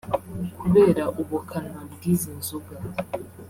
Kubera ubukana bw’izi nzoga